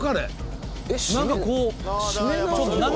何かこう。